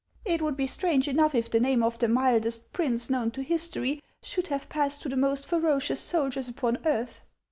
It would be strange enough if the name of the mildest prince known to history should have passed to the most ferocious, soldiers upon earth."